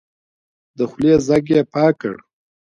د خولې ځګ يې پاک کړ.